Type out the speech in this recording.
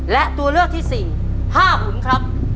และตัวเลือกที่สี่๕หุ่นครับ